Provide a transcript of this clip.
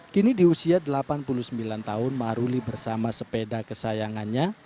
kini di usia delapan puluh sembilan tahun maruli bersama sepeda kesayangannya